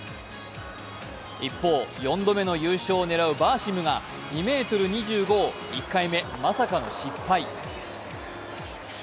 一方、４度目の優勝を狙うバーシムが２ｍ２５を１回目、まさかの失敗。